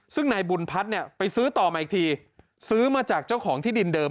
ซึ่งนายบุญพัฒน์เนี่ยไปซื้อต่อมาอีกทีซื้อมาจากเจ้าของที่ดินเดิม